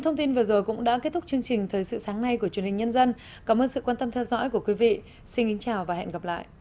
tổng bí thư nguyễn phú trọng